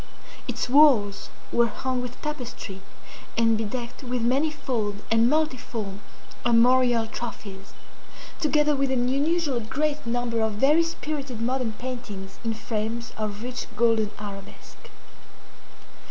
Its walls were hung with tapestry and bedecked with manifold and multiform armorial trophies, together with an unusually great number of very spirited modern paintings in frames of rich golden arabesque.